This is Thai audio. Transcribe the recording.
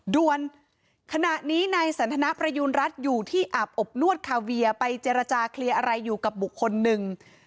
ด่วนขณะนี้นายสันทนาประยูณรัฐอยู่ที่อาบอบนวดคาเวียไปเจรจาเคลียร์อะไรอยู่กับบุคคลหนึ่ง